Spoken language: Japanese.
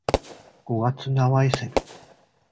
五月蠅いセミ